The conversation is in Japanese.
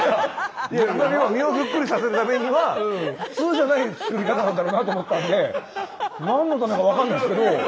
身をぷっくりさせるためには普通じゃない作り方なんだろうなと思ったんで何のためか分かんないっすけど。